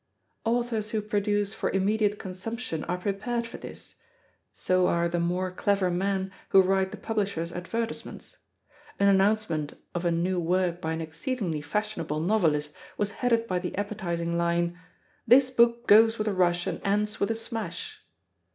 Authors who produce for immediate consumption are prepared for this; so are the more clever men who write the publishers' advertisements. An announcement of a new work by an exceedingly fashionable novelist was headed by the appetising line, "This book goes with a rush, and ends with a smash."